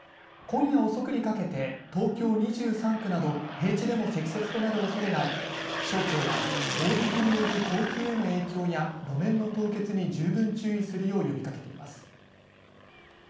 今夜遅くにかけて東京２３区など平地でも積雪となるおそれがあり気象庁は大雪による交通への影響や路面の凍結に十分注意するよう呼びかけています。